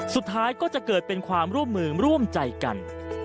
สุดท้ายก็จะเกิดเป็นความร่วมมือร่วมใจกัน